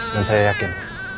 dan saya yakin